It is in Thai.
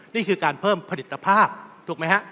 นี่คือการเพิ่มผลิตภาพถูกไหมฮะ